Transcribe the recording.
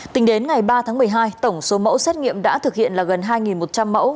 tính đến ngày ba tháng một mươi hai tổng số mẫu xét nghiệm đã thực hiện là gần hai một trăm linh mẫu